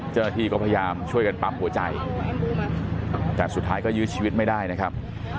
เจ้าหน้าที่ก็พยายามช่วยกันปั๊มหัวใจแต่สุดท้ายก็ยื้อชีวิตไม่ได้นะครับ